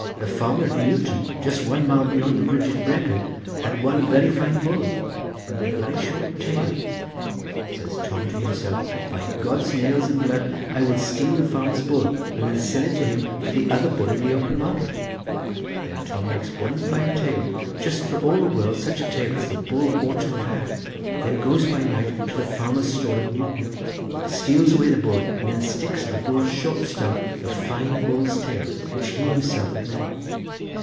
The farmer at Newton, just one mile beyond the bridge at Brecon, had one very fine bull, but with a very short tail. Says Tom to himself: 'By God's nails and blood I will steal the farmer's bull, and then sell it to him for other bull in open market place.' Then Tom makes one fine tail, just for all the world such a tail as the bull ought to have had, then goes by night to the farmer's stall at Newton, steals away the bull, and then sticks to the bull's short stump the fine bull's tail which he himself had made.